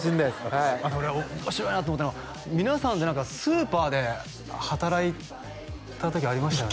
はい面白いなと思ったのが皆さんでスーパーで働いた時ありましたよね？